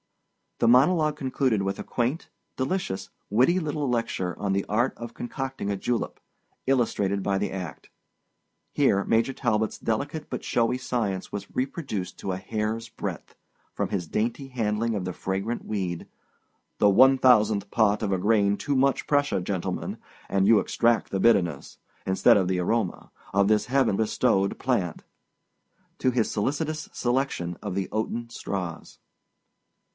The monologue concluded with a quaint, delicious, witty little lecture on the art of concocting a julep, illustrated by the act. Here Major Talbot's delicate but showy science was reproduced to a hair's breadth—from his dainty handling of the fragrant weed—"the one thousandth part of a grain too much pressure, gentlemen, and you extract the bitterness, instead of the aroma, of this heaven bestowed plant"—to his solicitous selection of the oaten straws.